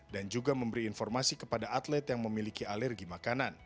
dan juga memberi informasi kepada atlet yang memiliki alergi makanan